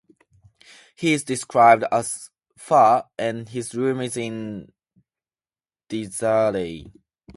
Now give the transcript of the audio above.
He is described as 'fat' and his room is in disarray.